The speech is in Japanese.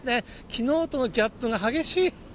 きのうとのギャップが激しい。